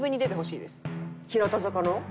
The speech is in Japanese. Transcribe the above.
日向坂の？